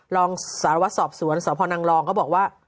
รองสารวัตรสอบสวนสพนังรองก็บอกว่า